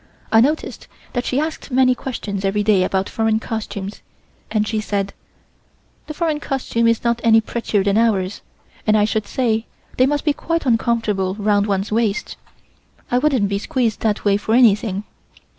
I noticed that she asked many questions every day about foreign costumes, and she said: "The foreign costume is not any prettier than ours and I should say they must be quite uncomfortable round one's waist. I wouldn't be squeezed that way for anything."